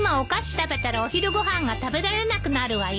食べたらお昼ご飯が食べられなくなるわよ。